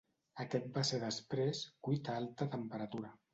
Aquest va ser després cuit a alta temperatura.